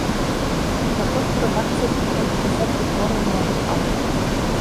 На пошту рэдакцыі прыходзіць дзясяткі твораў маладых аўтараў.